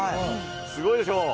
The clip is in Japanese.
すごいでしょう。